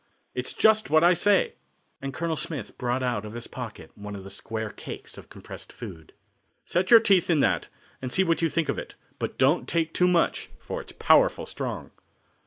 "It's just what I say," and Colonel Smith brought out of his pocket one of the square cakes of compressed food. "Set your teeth in that, and see what you think of it, but don't take too much, for it's powerful strong."